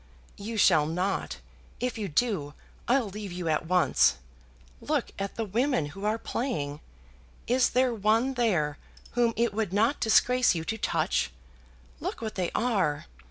"You shall not. If you do, I'll leave you at once. Look at the women who are playing. Is there one there whom it would not disgrace you to touch? Look what they are.